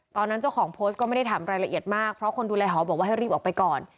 ตอนนั้นเจ้าของโพสต์ก็ไม่ได้ถามรายละเอียดมากเพราะคนดูแลหอบอกว่าให้รีบออกไปก่อน